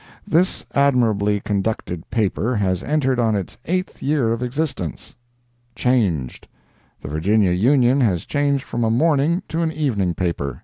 "—This admirably conducted paper has entered on its eighth year of existence. CHANGED.—The Virginia Union has changed from a morning to an evening paper.